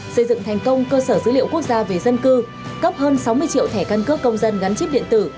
xây dựng thành công cơ sở dữ liệu quốc gia về dân cư cấp hơn sáu mươi triệu thẻ căn cước công dân gắn chip điện tử